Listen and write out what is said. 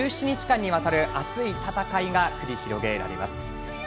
１７日間にわたる熱い戦いが繰り広げられます。